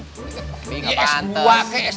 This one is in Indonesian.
tapi gak pantes